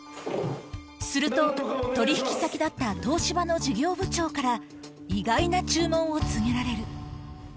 すると、取り引き先だった東芝の事業部長から、意外な注文を告げられる。